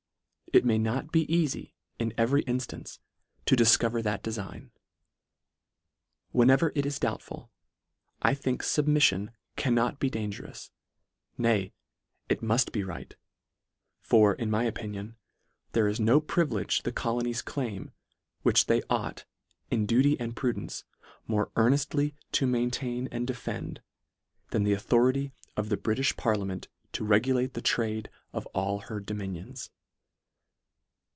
It may not be eafy in every inftance to dif cover that deiign. Whenever it is doubtful, I think, fubmimon cannot be dangerous ; nay, it muft be right : for, in my opinion, there is no privilege the colonies claim, which they ought, in duty and prudence, more earneftly to maintain and defend, than the authority of the Britifti parliament to regu late the trade of all her dominions.